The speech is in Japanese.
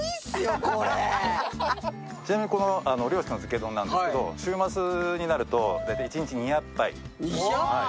ちなみに漁師の漬け丼なんですけど、週末になると大体一日２００杯。